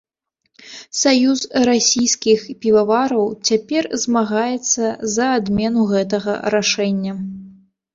Саюз расійскіх півавараў цяпер змагаецца за адмену гэтага рашэння.